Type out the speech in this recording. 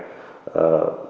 và đối tượng